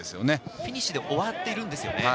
フィニッシュで終わってるんですよね。